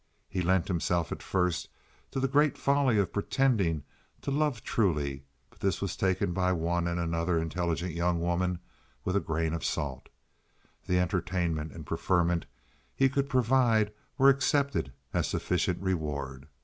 He lent himself at first to the great folly of pretending to love truly; but this was taken by one and another intelligent young woman with a grain of salt. The entertainment and preferment he could provide were accepted as sufficient reward.